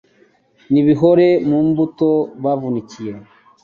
n’ibihore mu mbuto bavunikiye